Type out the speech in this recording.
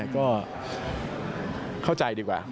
ก็เข้าใจดีกว่า